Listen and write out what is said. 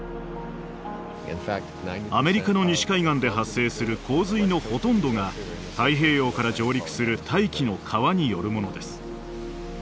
アメリカの西海岸で発生する洪水のほとんどが太平洋から上陸する大気の川によるものです。